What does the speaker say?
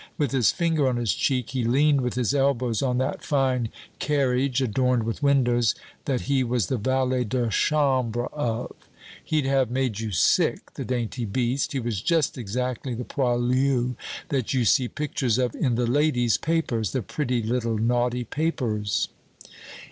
With his finger on his cheek, he leaned with his elbows on that fine carriage adorned with windows that he was the valet de chambre of. He'd have made you sick, the dainty beast. He was just exactly the poilu that you see pictures of in the ladies' papers the pretty little naughty papers."